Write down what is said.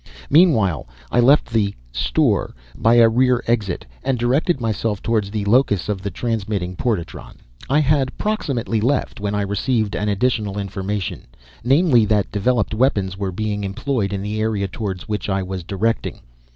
Meanwhile, I left the "store" by a rear exit and directed myself toward the locus of the transmitting portatron. I had proximately left when I received an additional information, namely that developed weapons were being employed in the area toward which I was directing.